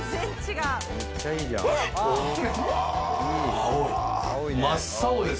青い。